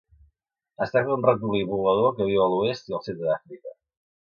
Es tracta d'un ratolí volador que viu a l'oest i al centre d'Àfrica.